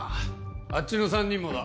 あっちの３人もだ。